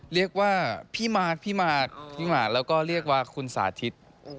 เรียกว่าพี่มาร์ทแล้วก็เรียกว่าคุณสาธิต